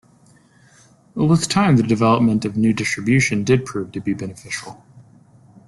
With time, the development of new distribution did prove to be beneficial.